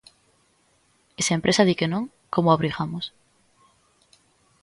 E se a empresa di que non, ¿como a obrigamos?